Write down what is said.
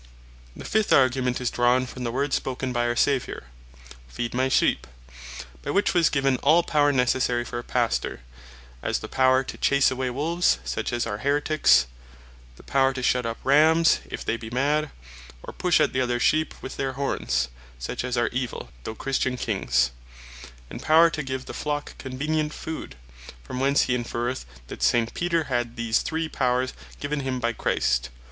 The fifth Argument, is drawn from the words spoken by our Saviour, Feed My Sheep; by which was give all Power necessary for a Pastor; as the Power to chase away Wolves, such as are Haeretiques; the Power to shut up Rammes, if they be mad, or push at the other Sheep with their Hornes, such as are Evill (though Christian) Kings; and Power to give the Flock convenient food: From whence hee inferreth, that St. Peter had these three Powers given him by Christ.